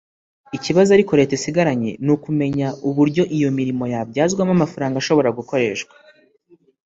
Ikibazo ariko Leta isigaranye ni ukumenya uburyo iyo mirimo yabyazwamo amafaranga ashobora gukoreshwa